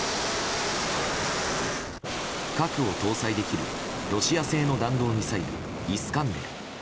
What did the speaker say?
核を搭載できるロシア製の弾道ミサイルイスカンデル。